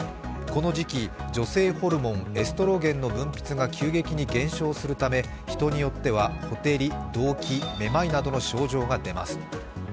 この時期、女性ホルモンエストロゲンの分泌が急激に減少するため人によってはほてり・どうき・めまいなどの症状が出ます。